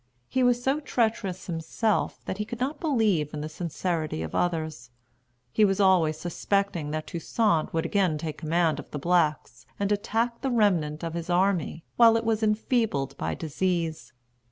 He was so treacherous himself that he could not believe in the sincerity of others. He was always suspecting that Toussaint would again take command of the blacks and attack the remnant of his army while it was enfeebled by disease.